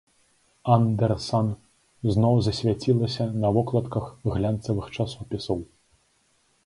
Андэрсан зноў засвяцілася на вокладках глянцавых часопісаў.